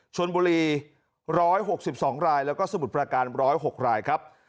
ชนบุรี๑๖๒รายแล้วก็สมุทรประการ๑๐๖รายครับ